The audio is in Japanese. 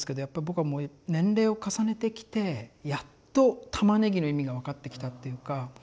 やっぱ僕はもう年齢を重ねてきてやっと「玉ねぎ」の意味が分かってきたっていうか。